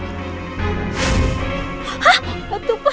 hah hatu pak